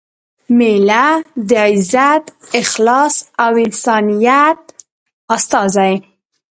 مېلمه – د عزت، اخلاص او انسانیت استازی